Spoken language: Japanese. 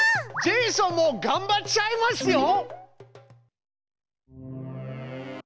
ジェイソンもがんばっちゃいますよ！